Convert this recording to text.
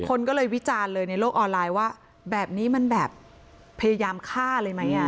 คนก็เลยวิจารณ์เลยในโลกออนไลน์ว่าแบบนี้มันแบบพยายามฆ่าเลยไหมอ่ะ